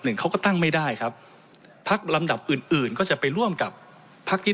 หนึ่งเขาก็ตั้งไม่ได้ครับพักลำดับอื่นอื่นก็จะไปร่วมกับพักที่